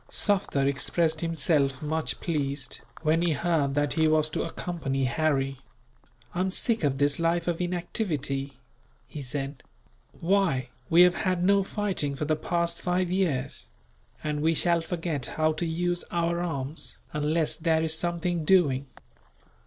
Sufder expressed himself much pleased, when he heard that he was to accompany Harry. "I am sick of this life of inactivity," he said. "Why, we have had no fighting for the past five years; and we shall forget how to use our arms, unless there is something doing.